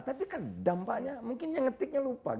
tapi kan dampaknya mungkin yang ngetiknya lupa